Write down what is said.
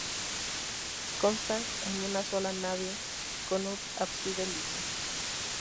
Consta de una sola nave con un ábside liso.